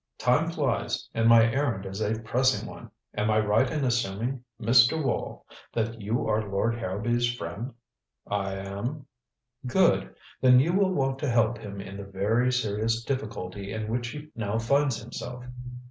"Time flies, and my errand is a pressing one. Am I right in assuming, Mr. Wall, that you are Lord Harrowby's friend?" "I am." "Good. Then you will want to help him in the very serious difficulty in which he now finds himself.